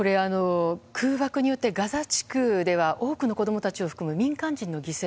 空爆によってガザ地区では多くの子供たちを含む民間人の犠牲